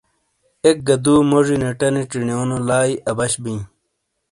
اک گہ دُو موجی نیٹانی چینیونو لائی اَبش بِیں۔